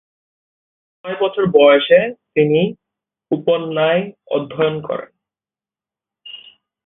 ছয় বছর বয়সে তিনি উপন্যায় অধ্যয়ন করেন।